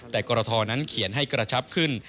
แต่กรทนั้นเขียนให้กระชับขึ้น